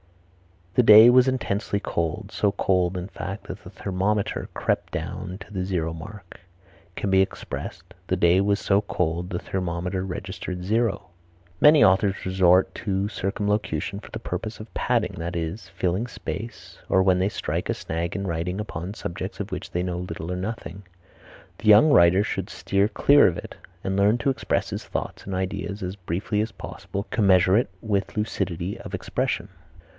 "The day was intensely cold, so cold in fact that the thermometer crept down to the zero mark," can be expressed: "The day was so cold the thermometer registered zero." Many authors resort to circumlocution for the purpose of "padding," that is, filling space, or when they strike a snag in writing upon subjects of which they know little or nothing. The young writer should steer clear of it and learn to express his thoughts and ideas as briefly as possible commensurate with lucidity of expression.